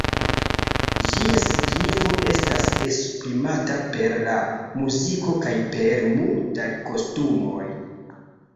Ĝia signifo estas esprimata per la muziko kaj per multaj kostumoj.